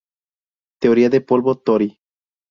Teoría de polvo Tori.